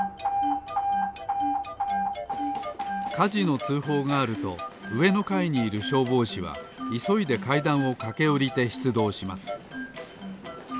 かじのつうほうがあるとうえのかいにいるしょうぼうしはいそいでかいだんをかけおりてしゅつどうします。